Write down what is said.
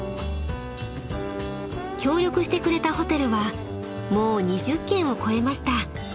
［強力してくれたホテルはもう２０軒を超えました］